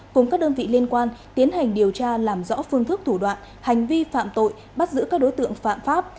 cùng các đơn vị liên quan tiến hành điều tra làm rõ phương thức thủ đoạn hành vi phạm tội bắt giữ các đối tượng phạm pháp